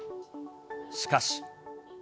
しかし。